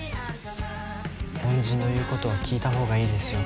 恩人の言うことは聞いた方がいいですよ。